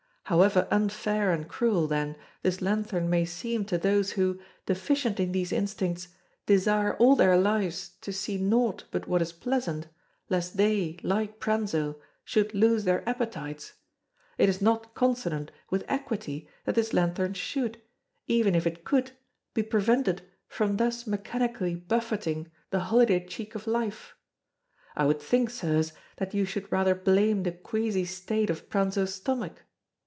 However unfair and cruel, then, this lanthorn may seem to those who, deficient in these instincts, desire all their lives to see naught but what is pleasant, lest they, like Pranzo, should lose their appetites—it is not consonant with equity that this lanthorn should, even if it could, be prevented from thus mechanically buffeting the holiday cheek of life. I would think, Sirs, that you should rather blame the queazy state of Pranzo's stomach.